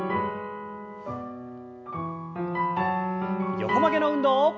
横曲げの運動。